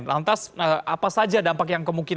lantas apa saja dampak yang kemungkinan